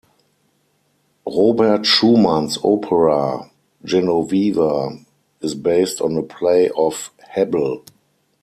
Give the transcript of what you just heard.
Robert Schumann's opera "Genoveva" is based on a play of Hebbel.